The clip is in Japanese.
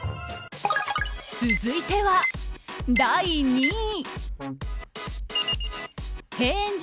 続いては、第２位。